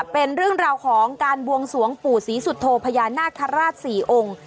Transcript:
เป็นเรื่องราวของการบวงสวงปู่ศรีสุโธพญานาคาราช๔องค์